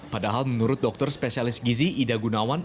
padahal menurut dokter spesialis gizi ida gunawan